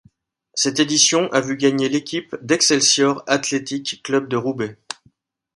Cette édition a vu gagner l'équipe de l'Excelsior Athlétic Club de Roubaix.